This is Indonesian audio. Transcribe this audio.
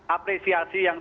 apresiasi yang sangat banyak